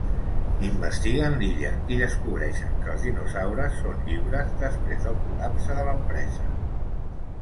Investiguen l'illa i descobreixen que els dinosaures són lliures després del col·lapse de l'empresa.